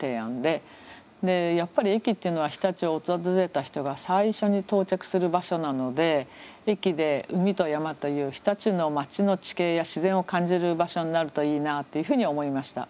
やっぱり駅っていうのは日立を訪れた人が最初に到着する場所なので駅で海と山という日立の町の地形や自然を感じる場所になるといいなというふうに思いました。